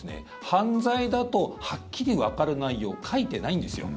犯罪だとはっきりわかる内容書いてないんですよ。